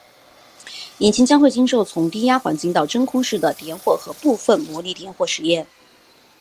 引擎将会经受从低压环境到真空室的点火和部分模拟点火实验。